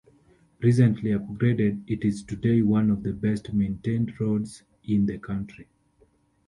Recently upgraded, it is today one of the best-maintained roads in the country.